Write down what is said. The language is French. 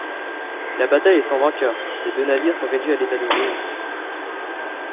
La bataille est sans vainqueur, les deux navires sont réduits à l'état de ruine.